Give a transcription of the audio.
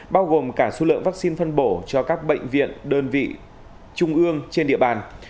bao gồm cả số lượng vaccine phân bổ cho các bệnh viện đơn vị trung ương trên địa bàn